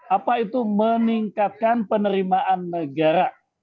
apa itu meningkatkan penerimaan negara